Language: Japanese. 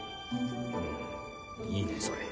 うんいいねそれ。